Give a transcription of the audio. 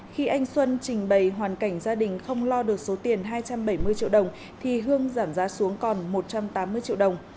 khi anh xuân trình bày hoàn cảnh gia đình không lo được số tiền hai trăm bảy mươi triệu đồng thì hương giảm giá xuống còn một trăm tám mươi triệu đồng